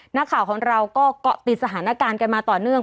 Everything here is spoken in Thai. นักข่าวของเราก็เกาะติดสถานการณ์กันมาต่อเนื่อง